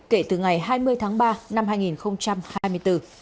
kể từ ngày hai mươi tháng ba năm hai nghìn hai mươi bốn